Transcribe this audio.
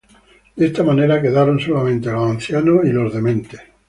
De esta manera quedaron solamente los ancianos y los dementes.